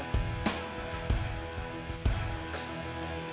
aku udah makan tadi kek